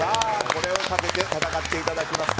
これをかけて戦っていただきます。